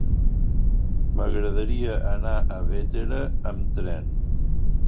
M'agradaria anar a Bétera amb tren.